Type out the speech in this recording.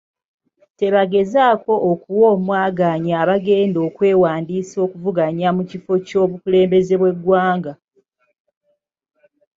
Tebagezako okuwa omwagaanya abagenda okwewandiisa okuvuganya ku kifo ky'obukulembeze bw'eggwanga.